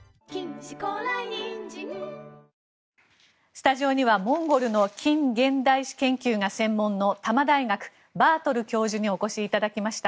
スタジオにはモンゴルの近現代史研究が専門の多摩大学、バートル教授にお越しいただきました。